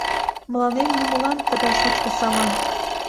Мыланем нимолан Тыгай шучко саман!